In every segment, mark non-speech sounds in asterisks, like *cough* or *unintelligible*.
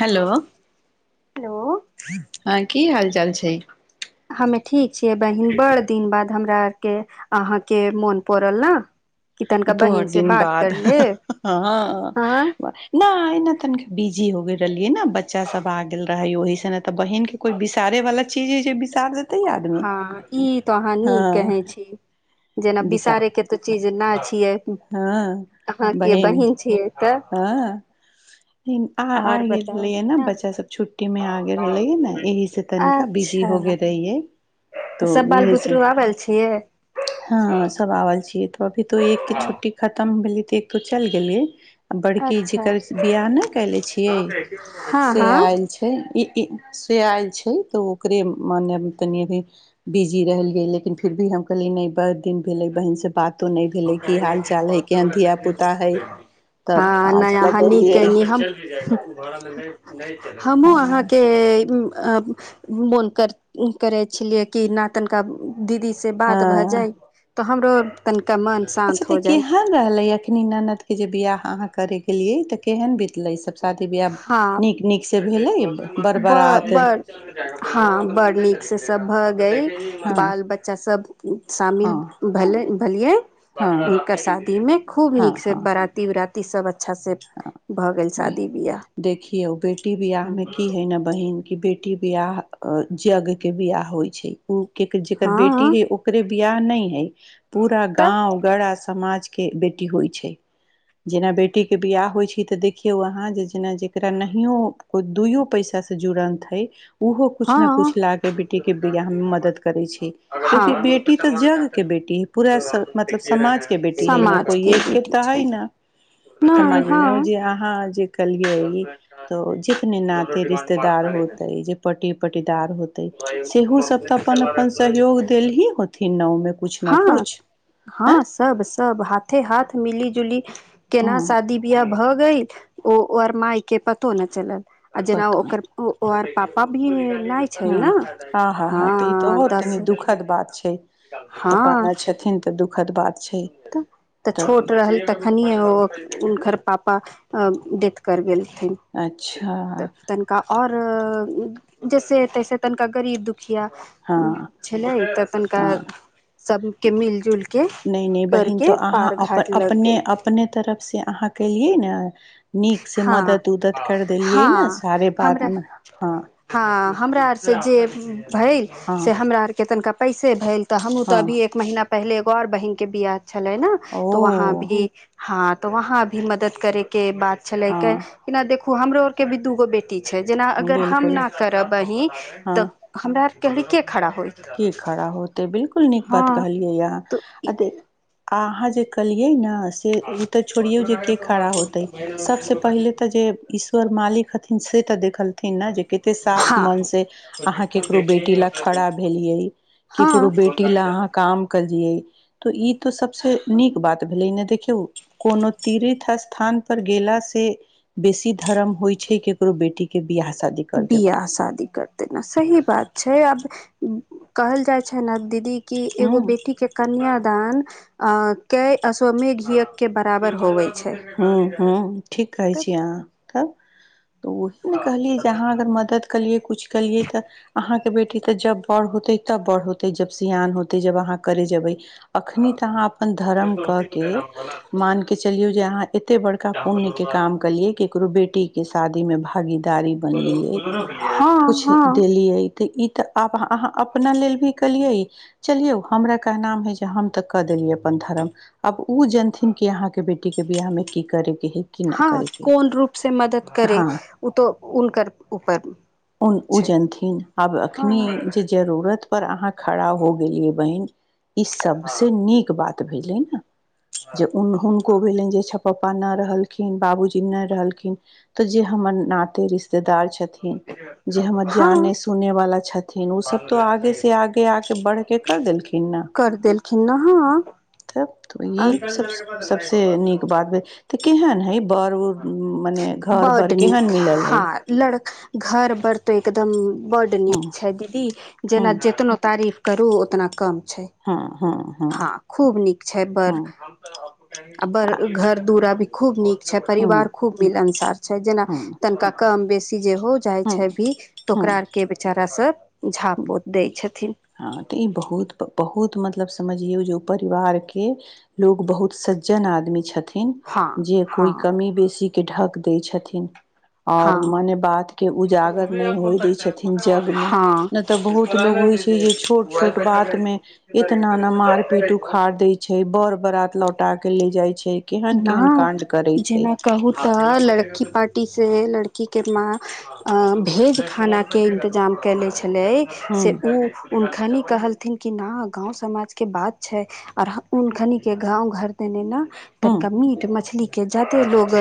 Hello hello हँ की हाल चाल छै हमे ठीक छियै बहिन बड़ दिन बाद हमरा आर के अहाँके मोन पड़ल ने कि तनिका बर बहिन से दिन बात बाद कर लेब ह हँ नहि एना तन बिजी हो रहलियै ने बच्चा सब आ गेल रहै ओहि से ने तऽ बहिन के कोई बिसारे वाला चीज होइ छै जे बिसार देते आदमी हँ ई तऽ अहाँ नीक हँ कहै छी जेना बिसार बिसारे के तो चीज ना छियै हँ अहाँ के बहिन छियै तऽ हँ आ आ आओर गेल रहले बताउ हे न हँ बच्चा सब छुट्टी मे आ गेल रहले हे न एहिह से तनिका बिजी अच्छा हो गेल रहिये तऽ त सब बाल इहे सब बुतरू आबल छियै ह आल छ अभी तो एक के छुट्टी खतम हो भेलिय तऽ एक तो चलि गेलियै आ बड़की अच्छा जेकर बिआह नहि कयले छियै हँ से हँ आयल छै ई से आयल छै तऽ ओकरे मान तनि अभी बिजी रहलिय लेकिन फिर भी हम कहलियी नहि बड़ दिन भेलै बहिन से बात को नहि भेलै की हाल चाल है केहन धिया पुता हइ तब हँ नय आज यहाँ निक लगेलियै केयली हम हमहुँ हँ अहाँके मोन कर करै छलियै कि ना तनिका दीदी से बात भए हँ जाय तो हमरो तन अच्छा तऽ केहन रहले अखनी ननद के जे बियाह अहाँ करे गेलियै तऽ केहन बितले सब शादी हँ नीक नीक से भेलै बर ब बरात बड़ हँ बड़ नीक से सब भऽ गई हँ बाल बच्चा सब शामिल हँ भेले भेलिए हँ हुनकर शादी मे खूब हँ नीक से हँ बराती उराती ई सब अच्छा से भऽ गेल शादी बियाह देखिऔ बेटी बियाह मे की हइ न बहिन बेटी बियाह जग के बियाह होइ छै उ ज जेकर बेटी हँ है ओकरे बिाह नहि है पूरा तऽ गाँव गड़ा समाज के बेटी होइ छै जेना बेटीके बियाह होइत छै तऽ देखियौ अहाँ जे जेना जकरा नहियो कोइ दुइयो पैसास से जुड़ल हइ उहो कुछ ने हँ कुछ ला के बेटी के बियाह मे मदद करे छै क्योकि बेटी त जग के बेटी बे है पूरा मतलब समाज के बेटी है न समाज कोइ एक के बेटी तऽ छै है न *inaudible* तऽ मानियो हँ जे अहाँ जे कलियै तो जितने नाते रिश्तेदार होतेै जे पटी पटी दार होतै सेहो सब तऽ अपन अपन सहयोग देल ही होथिन नावमे कुछु ने हँ कुछ हँ आँय सब सब हाथे हाथ मिली जुली हँ केना शादी बियाह भऽ गेल ओ आर माय के पतो नहि चलल आ जेना पता ओकर ओ पापा भी नहि छै हू ने हँ हँ हँ तऽ ई त हो तनी दुखद बात छै पापा हँ नहि छथिन तऽ दुःखद बात छै तऽ छोट रहल तखनिए ओ हुनकर पापा डेथ कर गेल अच्छा तऽ तनिका आऔर जैसे तैसे तनिका गरीब दुःख मुखिया हँ छलै तऽ तनिका हँ सबके मिल जुल के नहि नहि बहिन करके तऽ अहाँ पार घाट लग अपने गय अपने तरफ से अहाँ के ई न नीक से हँ मदद उदत कर देलियै ने हँ सारे हमरा बातमे हँ हँ हमरा आर से जे भेल हँ से हमरा आरके तनिका पैसे भेल तऽ हमहूँ तऽ हँ अभी एक महिना पहिले एगो और बहिनके बियाह छलै ने ओ त वहाँ भी हँ तऽ वहाँ भी मदद करेके बात छल हँ के ना देखू हमरो आर के अभि दूगो बेटी बेटी छै जेना अगर हम बिलकुल न करब बहिन तऽ हमरा आर के खड़ा होइत की खड़ा होतै बिलकुल नीक बात हँ कहलियै यह तऽ आ ई दे आ अहाँ जे कलियै ने से उ तऽ छोड़ियौ जे के खड़ा होतय सबसे पहले तऽ जे ईश्वर मालिक हथि से तऽ देखलथिन जे कते साफ हँ मन से अहाँ केकरो बेटी लेल खड़ा भेलियै ककरो बेटी ला अहाँ काम हँ कलिये तो ई तो सबसे नीक बात भेलै ने देखियौ कोनो तीर्थ स्थान पर गेला से बेसी धर्म होइ छै केकरो बेटी के बियाह शादी कर देबल बिआह शादी कर देना सही बात छै अब कहल जाय छै ने दीदी कि ह एगो बेटी के कन्या दान कऽ अस्वमेघ यज्ञ के बराबर होबै ह ह ठीक कहै छी अहाँ तब तऽ ओही ने कहलियै जे अहाँ अगर मदद कलियै कुछ केलियै तऽ अहाँ के बेटी तऽ जब बड़ होते तब बड़ होते जब सियान होते जब अहाँ करे जेबै अखनी तऽ अहाँ अपन धर्म कऽ के मानके चलियौ जे अहाँ एते बड़का पुण्य के काम कलिये केकरो बेटी के शादी में भागी दारी बनलिय हँ कुछ हँ देलिय तऽ ई तऽ आब अहाँ अपना लेल भी केलियै चलियौ हमरा कहना है जे हम तऽ कऽ देलियै अपन धर्म आब ओ जनथिन कि अहाँके बेटीके बिआहमे की करे के है की न हँ करे के है। कोन रूप से मदद करे हँ ओ तो उनकर ऊपर उन ओ छै जनथिन आब हँ एखनि जे जरूरत पर अहाँ खड़ा हो गेलियै बहिन ई सबसे नीक बात भेलै ने जे उन हुनको भेलनि जे छ पापा नहि रहलखिन बाबूजी नहि रहलखिन तऽ जे हमर नाते रिश्तेदार छथिन जे हमर हँ जाने सुने वाला छथिन ओ सब तो आगे से आगे आके बढ़के केकर देलखिन न कर देलखिन ने हँ तब तऽ ई सब सबसे नीक बात भेल तऽ केहन है बर उड़ मने घर बर बड्ड नीक केहन मिलल हय हँ लड़ घर बर्त एकदम बड्ड हँ नीक छै दीदी हँ जेना जेतनो तारीफ करू ओतना कम छै हँ हँ हँ खूब नीक छै बड़ हँ आ बड़ घर दूरा भी खूब नीक छै हँ परिवार खूब मिलनसार छै जेना हँ तनिका कम बेसी जे हो जाइ छै हँ भी तऽ ओकरा हँ आर के बेचारा सब झाप पोत दै छै हँ तऽ ई बहुत बहुत मतलब समझियौ जे ओ परिवार के लोग बहुत सज्जन आदमी छथिन हँ जे कोय हँ कमी बेसी के ढक दै छथिन आओर हँ मने बाद के उजागर नहि होइ दय छथिन जग मे हँ ने तऽ बहुत लोग होइ छै जे छोट छोट बात में इतना ने मार पीट उखाड़ देय छै बर बरात लौ पटा के ले जाइ छै केहन केहन न काण्ड करै छै जेना कहू तऽ लड़की पार्टी से लड़की के माँ भेज खाना के इंतजाम केेले छै भेलै हूँ से उ ओखनि कहल थिन कि नहि गाँव समाजके बात छै आओर हखनिके गाँव घर तने ने हूँ तनिका मीट मछली के जादे लोग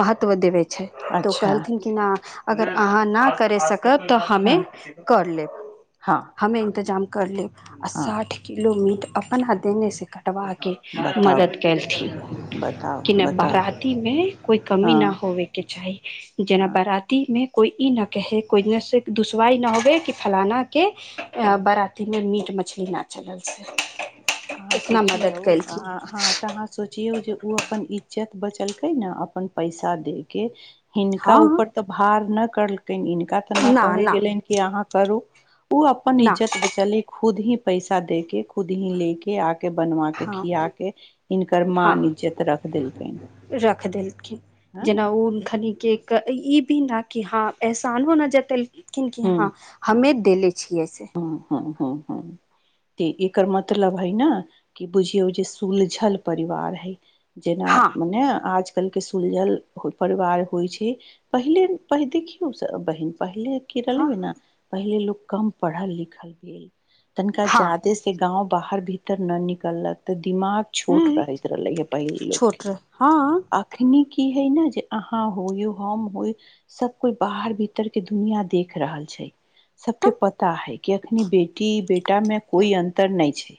महत्व देबे छै तऽ ओ अच्छा कहलथिन कि ना अगर अहाँ ना करि सक तऽ हमे हँ कर लेब हँ हमे इन्तजाम कर लेब आ हँ साठि किलो मीट अपना देनेसँ कटबाके बताउ मदद केलथिन बताउ कि नहि बताउ बराती मे कोई कमी नहि हँ होवेके चाही जेना हँ बाराती मे कोई ई न कहे कोइने से दुशवारई न होबे कि फलाना के हँ बरातीमे मीट मछली नहि चलल छै अहां सोचियौ हँ तऽ अहाँ सोचिय जे ओ अपन इज्जत बचलकै ने अपन पैसा दे के हिनका हँ ऊपर तऽ भार नहि करलकनि हिनका तऽ नहि ना कहे ना गेलनि कि अहाँ करू ओ अपन ना इज्जत बचले खुद ही पैसा दे के खुद ही ले के आ के बनवा के हँ खिया के हिनकर माँ हँ इज्जत रख देलकनि रख देलखिन हँ जेना ओन खनिके ई भी न कि ह एहसानो न जतेलखिन कि हँ हमे देले छियै से हँ हँ *unintelligible* त एकर मतलब है न कि बुझियौ ओ जे सुलझल परिवार हैय जेना हँ मने आज आजकल के सुलझल परिवार होइ छै पहिले देखियौ बहिन पहिले रहलै हँ न पहिले लोक कम पढ़ल लिखल भेल तनिका हँ जादे से गाँव बाहर भीतर न निकललक तऽ दिमाग छोट हँ रहैत रहले ह पहिल लोकके छोट रह हँ अखनी की हे न जे अहाँ हो य हम होय सब कोइ बाहर भीतर के दुनिया देख रहल छै सबके तऽ पता हैय कि अखनी बेटी बेटा मे कोइ अन्तर नहि छै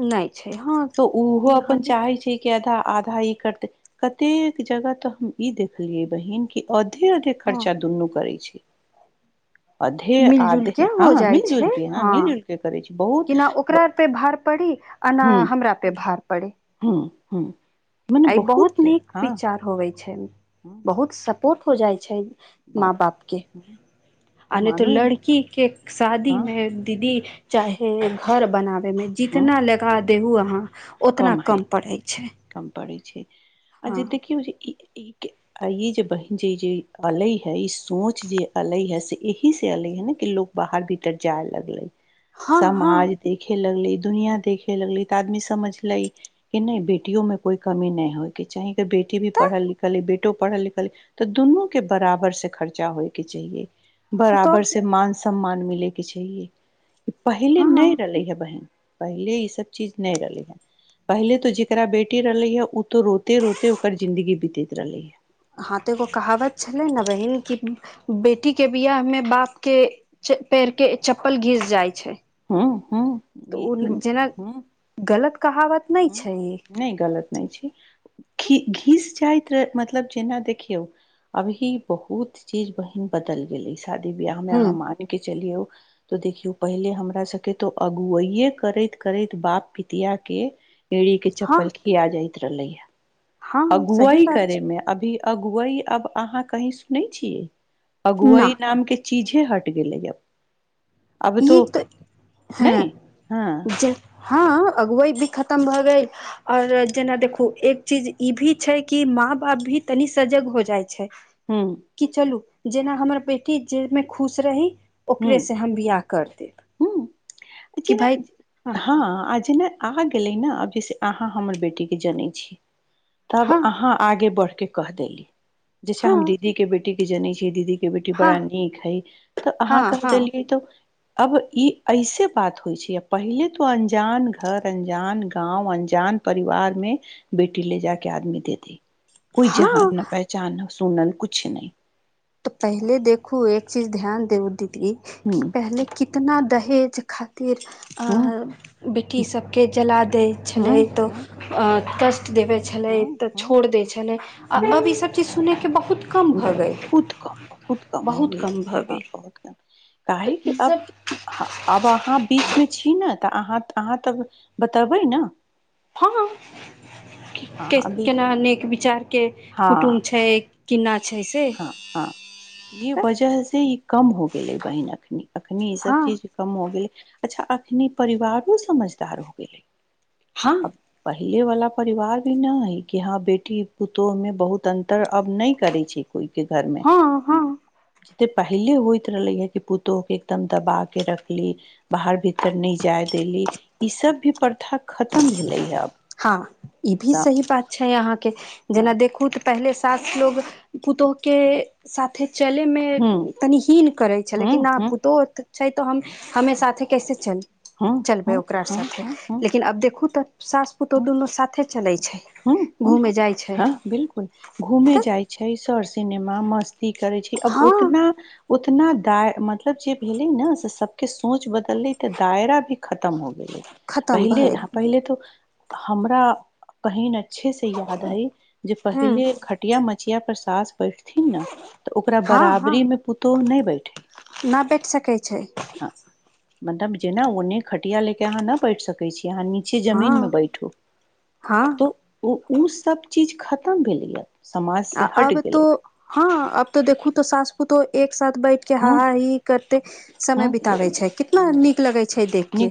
नहि छै हँ तऽ ओहो यहाँ अपन नहि चाहै छै कि आधा आधा ई करतै कतेक जगह तऽ हम ई देखलियै बहिन कि अधे अधे हँ खर्चा दुनू करै छै अधे आधे मिलजुलके हो हँ जाइ मिल जुल छै के हँ मिल जुल के करै छै बहुत केना ओकरा पे भार पड़ अ हमरा पे भार पड़े हँ हँ एहि बहुत नीक विचार होवे छै हुँ बहुत सपोर्ट हो जाइ छै बहु मा बापके हँ आ नहि तो मानू लड़की के शादी हँ मे दीदी चाहे घर बनावे मे हँ जितना लगा देहु अहाँ उतना कम पड़ै छै कम पड़ै छै आ हँ ज देखियौ जे ई ई आ य जे बहिन जे जे अलै हैय ई सोच जे अलै हैय से अही से अलै हैय न के लोग बाहर भीतर जाय लगले हँ हँ समाज देखे लगली दुनिया देखे लगली तऽ आदमी समझल कि नहि बेटियो में कोई कमी नहि होय क चाही बेटी तऽ पढ़ल लिखल बेटो पढ़ल लिखल तऽ दुनू के बराबर से खर्चा होयके चाहिए हँ बराबर तऽ से मान सम्मान मिले के चाहिए ई पहिले हँ नहि रहले है बहन पहिले ई सब चीज नहि रहलै हे पहिले तो जेकरा बेटी रहलै ह तो रोते रोते ओकर जिंन्दगी बीतैत रहलै हँ तऽ एगो कहावत छलै ने बहिन कि बेटी के बिआह मे बाप के पेड़ के चप्पल घीस जाइ छै हँ हँ त ओ जेना गलत कहावत नहि ह छै ई नहि गलत नहि छै घी घीस मतलब जेना देखियौ अभी बहुत चीज बहिन बदल गेले अछि शादी बिहा मे ह अहाँ मानके चलियौ त देखियौ पहिले हमरा सके तो अगुआए करैत करैत बाप पितिया के एड़ी के हँ चप्पल खिया जाइत रहले हैय हँ सही अगुआई बात करे छै में अभी अगुअय अब अहाँ कही सुन छियै न अगुअय नाम के चीजे हटि गेलैयब ई तऽ हँ नहि हँ जे हँ अगुवै भी खतम भऽ गेल आओर जेना देखू एक चीज ई भी छै कि माँ बाप भी तनी सजग हो जाय छै हुं कि चलू जेना हमर बेटी जहिमे खुश रही हुं ओकरे से हम बियाह करते हुं जेना हँ आ जेना आ गेले ने अब जैसे अहाँ हमर बेटी के जनै छी तब हँ अहाँ आगे बढ़के कह देली जैसे हँ हम दीदी के बेटी के जनै छियै दीदीे बेटी हँ बड़ा नीक है तऽ अहाँ हँ कह हँ देलियै तऽ अब ई ऐसे बात होइ छै पहिले तो अनजान घर अनजान गाँव अनजान परिवार मे बेटी ले जाके आदमी दे द कोई जहान हँ न पहचान नहि सुनन कुछ नहि तऽ पहिले देखू एक चीज ध्यान देब देतियै कि हुं पहले कितना दहेज खातिर हुं बेटी सबके जला दै छलै हुं हुं तऽ कष्ट देबे छलै हुं तऽ हुं छोड़ दै छलै आ हँ अब ई सभ चीज सुनै के बहुत कम भऽ गेल बहुत कम बहुत कम हो बहुत गय कम भऽ हँ गेल बहुत कम तऽ काहे कि अब ईसभ आब अहाँ बीच मे छी ने तऽ अहाँ अहाँ तऽ बतेबै ने हँ अहाँ बीच केनानेक विचार के कुटुम्ब हँ छै कि ना छै से हँ हँ ई तऽ वजह से ई कम हो गेलै बहन अखनी अखनी ई सब हँ चीज कम हो गेलै अच्छा अखनी परिवारो समझदार हो गेलै हँ पहिलेवला परिवार भी नहि है कि हँ बेटी पुतहुमे बहुत अन्तर अब नहि करै छै कोइ के घरमे हँ हँ तऽ पहिले होइत रहले हे कि पुतोह के एकदम दबा के रखली बाहर भीतर न जाय दे देलि ई सब भी प्रथा खतम भेलै है अब हँ ई भी सही बात छै अहाँके जेना देखु तऽ पहले सास लोग पुतोह के साथे चलैमे हूँ तनि हीन करै छलैेक हूँ आ हूँ पुतोह छै तऽ हम हमे साथे कैसे चल हूँ चलबै हूँ हूँ ओकरा हूँ साथे हूँ लेकिन अब देखु तऽ सास पुतौह हूँ दुनू साथे चले छै हूँ हूँ घूमे जाइ छै हँ बिलकुल घूमे तऽ जाइ छै सर सिनेमा मस्त भी करै छी अब हँ उतना उतना दाय मतलब जे भेले ने से सब के सोच बदलले तऽ दायरा भी खतम हो गेले खतम पहिले भए ह पहिले त हमरा बहीन अच्छे से याद हइ जे हँ पहिल खटिया मछिया पर सास बैठथिन न तऽ ओकरा हँ हँ बराबरीमे पुतोह नहि बैठै नहि बैठ सकै छै मतलब जेना ओने खटिया ले के अहाँ न बैठ सकै छी यहाँ नीचे हँ जमीन मे बैठू हँ तो ओ उस सब चीज खतम भेलैयै आ अब तो हँ अब तऽ देखू तऽ सास पूतोह एक साथ बैठके हा हूँ हा ही ही करते समय हूँ बिताबै छै कितना नीक लगै छै देख के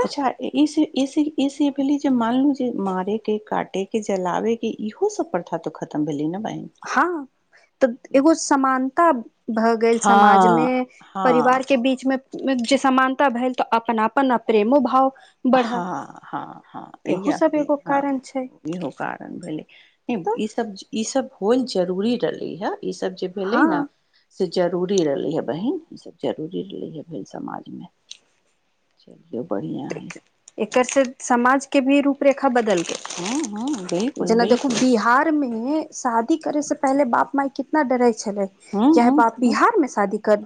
तऽ इसे इसे इसे भेली जे मानलू जे मारे के काटे के जलावे के इहो सब प्रथा खतम भेलै न हँ तऽ एगो समानता भऽ गेल समाज हँ मे हँ परिवार के बीच मे जे समानता भेल तऽ अपन अपन प्रेमो भाव बढ़ल हँ हँ हँ एहू इह सब एगो हँ कारण छै इहो कारण भेलै तऽ ई सब ई सभ कोन जरूरी रहलै ह ई सब जे भेलै हँ न से जरूरी रहलै ह बहिन ई सब जरूरी रहलै ह भेल समाजमे चलियौ बढ़िया हैय एकर से समाज के भी रूप रेखा बदल हँ हँ बिलकुल जेना देखू बिलकुल बिहारमे शादी करे से पहले बाप माय कितना डरे छलै हँ काहे हँ बाप ह बिहार मे शादी कर